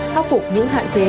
khắc phục những hạn chế